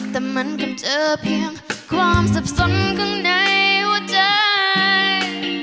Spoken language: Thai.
แต่มันก็เจอเพียงความสับสนข้างในใจ